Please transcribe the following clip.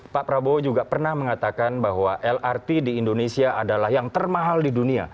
pak prabowo juga pernah mengatakan bahwa lrt di indonesia adalah yang termahal di dunia